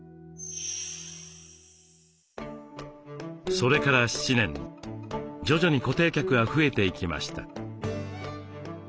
それから７年徐々に固定客が増えていきました。